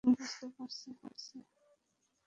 আমি বুঝতে পারছি।